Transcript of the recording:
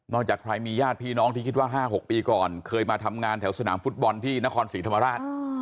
จากใครมีญาติพี่น้องที่คิดว่า๕๖ปีก่อนเคยมาทำงานแถวสนามฟุตบอลที่นครศรีธรรมราช